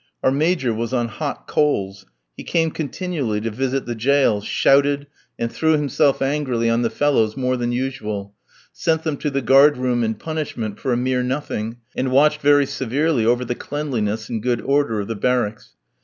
Our Major was on hot coals. He came continually to visit the jail, shouted, and threw himself angrily on the fellows more than usual, sent them to the guard room and punishment for a mere nothing, and watched very severely over the cleanliness and good order of the barracks.